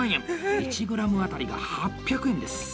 １グラム当たりが８００円です。